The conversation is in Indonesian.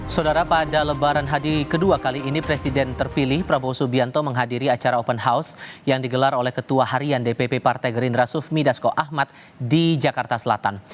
saudara pada lebaran hadi kedua kali ini presiden terpilih prabowo subianto menghadiri acara open house yang digelar oleh ketua harian dpp partai gerindra sufmi dasko ahmad di jakarta selatan